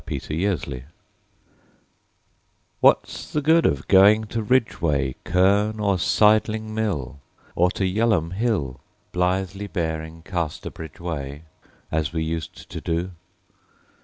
OLD EXCURSIONS "WHAT'S the good of going to Ridgeway, Cerne, or Sydling Mill, Or to Yell'ham Hill, Blithely bearing Casterbridge way As we used to do?